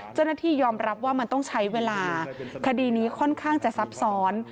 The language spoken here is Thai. เจ้าหน้าที่ยอมรับว่ามันต้องใช้เวลาคดีนี้ค่อนข้างจะซับซ้อน